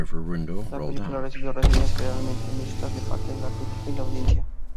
La película recibió reseñas generalmente mixtas de parte de la crítica y la audiencia.